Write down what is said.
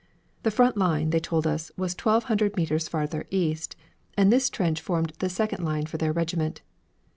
The front line, they told us, was twelve hundred metres farther east, and this trench formed the second line for their regiment.